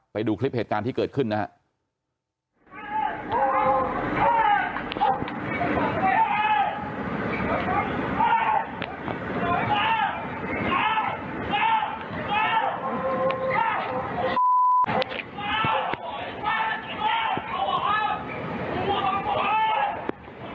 ไปดูคลิปเหตุการณ์ที่เกิดขึ้นนะครับ